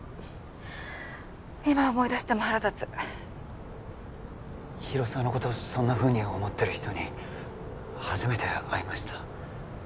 今思い出しても腹立つ広沢のことそんなふうに思ってる人に初めて会いました